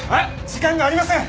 時間がありません！